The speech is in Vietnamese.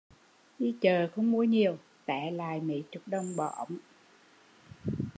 Đi chợ không mua nhiều, té lại mấy chục đồng bỏ ống